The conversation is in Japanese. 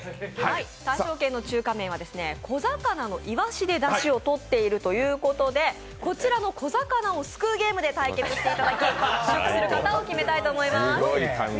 大勝軒の中華麺は小魚のいわしでだしをとっているということでこちらの小魚を救うゲームで対決していただき試食する方を決めたいと思います。